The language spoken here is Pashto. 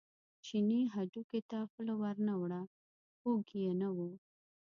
چیني هډوکي ته خوله ور نه وړه خوږ یې نه و.